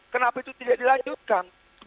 kenapa itu tidak dilanjutkan